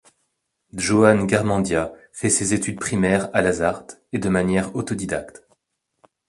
Juan Garmendia fait ses études primaires à Lasarte, et de manière autodidacte.